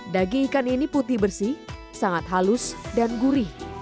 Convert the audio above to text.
daging ikan ini putih bersih sangat halus dan gurih